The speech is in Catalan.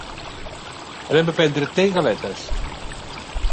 Anem a prendre té i galetes.